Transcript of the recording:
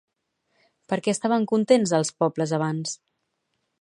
Per què estaven contents als pobles abans?